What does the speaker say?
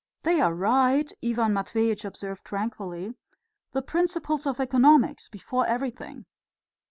"They are right," Ivan Matveitch observed tranquilly; "the principles of economics before everything."